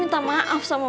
nerampakan karir mbak